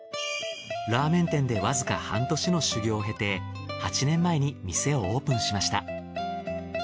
ラーメン店でわずか半年の修業を経て８年前に店をオープンしました。